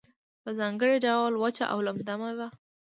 په ځانګړي ډول وچه او لمده میوه